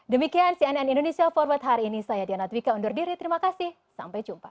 demikian cnn indonesia forward hari ini saya diana twika undur diri terima kasih sampai jumpa